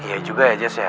iya juga ya jess ya